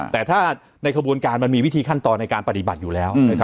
แต่ถ้าในขบวนการมันมีวิธีขั้นตอนในการปฏิบัติอยู่แล้ว